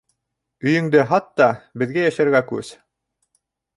Өйөңдө һат та беҙгә йәшәргә күс.